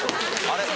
あれ？